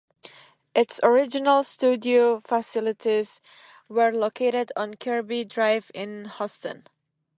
Its original studio facilities were located on Kirby Drive in Houston.